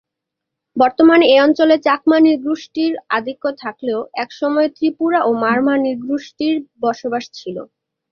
বর্তমানে এ অঞ্চলে চাকমা নৃ-গোষ্ঠীর আধিক্য থাকলেও একসময়ে ত্রিপুরা এবং মারমা নৃ-গোষ্ঠীর বসবাস ছিল।